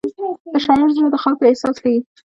د شاعر زړه د خلکو احساس ښيي.